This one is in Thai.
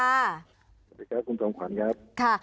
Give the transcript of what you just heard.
สวัสดีครับคุณจอมขวัญครับ